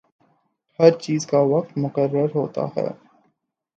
ہر چیز کا وقت مقرر ہوتا ہے۔